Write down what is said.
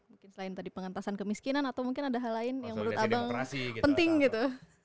mungkin selain tadi pengantasan kemiskinan atau mungkin ada hal lain yang menurut abang penting gitu